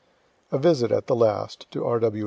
A VISIT, AT THE LAST, TO R. W.